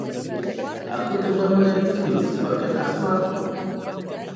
Aku terbangun dari tidur disebabkan asma aku.